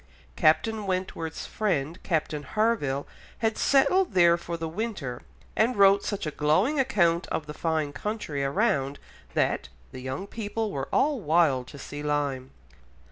Captain Wentworth's friend, Captain Harville, had settled there for the winter, and wrote such a glowing account of the fine country around that "the young people were all wild to see Lyme."